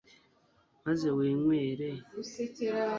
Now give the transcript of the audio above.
maze winywere